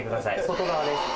外側です。